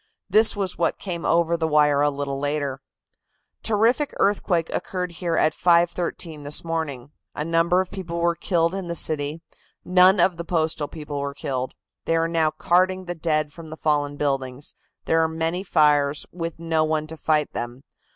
This was what came over the wire a little later: "Terrific earthquake occurred here at 5.13 this morning. A number of people were killed in the city. None of the Postal people were killed. They are now carting the dead from the fallen buildings. There are many fires, with no one to fight them.